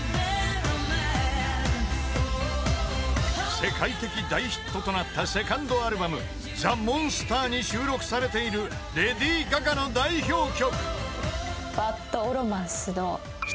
［世界的大ヒットとなったセカンドアルバム『ザ・モンスター』に収録されているレディー・ガガの代表曲］